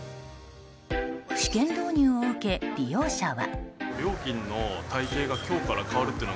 試験導入を受け、利用者は。